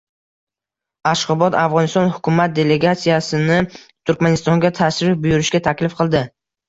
Ashxobod Afg‘oniston hukumat delegatsiyasini Turkmanistonga tashrif buyurishga taklif qildi